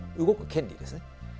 動く権利ですね。